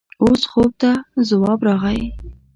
اوس خوب ته ځواب راغی.